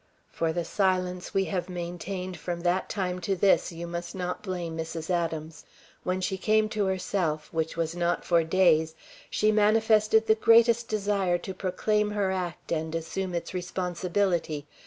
For the silence we have maintained from that time to this you must not blame Mrs. Adams. When she came to herself which was not for days she manifested the greatest desire to proclaim her act and assume its responsibility.